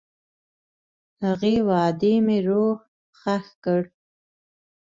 هغې وعدې مې روح ښخ کړ.